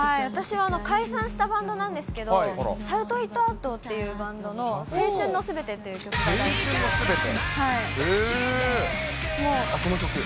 私は、解散したバンドなんですけど、シャウト・イット・アウトっていうバンドの青春のすべてという曲この曲？